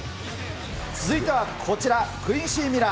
続いてはこちら、クインシー・ミラー。